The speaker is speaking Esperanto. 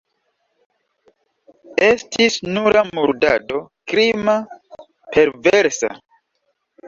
Estis nura murdado, krima, perversa.